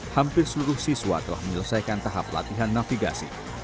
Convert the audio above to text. hampir seluruh siswa telah menyelesaikan tahap latihan navigasi